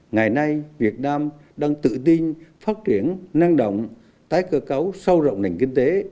ngày nay việt nam đang tự tin phát triển năng động tái cơ cấu sâu rộng nền kinh tế